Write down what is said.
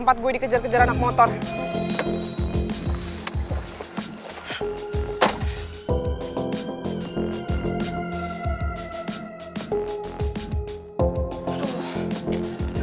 masuk kuliah dulu